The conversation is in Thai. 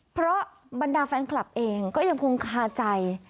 เพราะบรรดาแฟนคลับเองก็ยังคงคาใจ